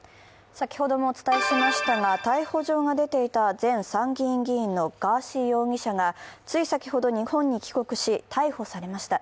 先ほどもお伝えしましたが逮捕状が出ていた前参議院議員のガーシー容疑者がつい先ほど日本に帰国し、逮捕されました。